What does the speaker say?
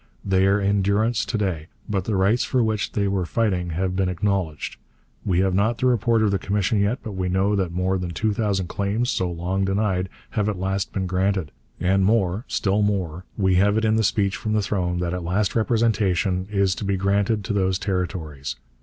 They are in durance to day, but the rights for which they were fighting have been acknowledged. We have not the report of the commission yet, but we know that more than two thousand claims so long denied have at last been granted. And more still more: we have it in the Speech from the Throne that at last representation is to be granted to those Territories.